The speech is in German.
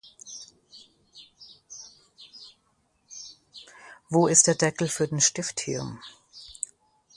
Wo ist der Deckel für den Stift hier?